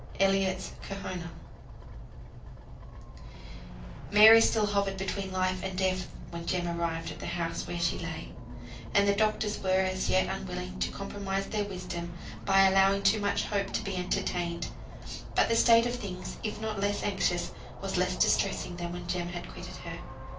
ELLIOTT'S "KERHONAH." Mary still hovered between life and death when Jem arrived at the house where she lay; and the doctors were as yet unwilling to compromise their wisdom by allowing too much hope to be entertained. But the state of things, if not less anxious, was less distressing than when Jem had quitted her.